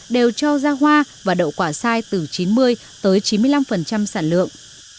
đều cho ra hoa và đậu quả sai từ chín mươi tới chín mươi năm sản lượng